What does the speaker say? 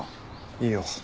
いいよ。